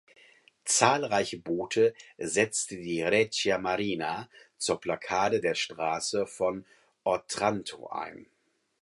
Zahlreiche Boote setzte die Regia Marina zur Blockade der Straße von Otranto ein.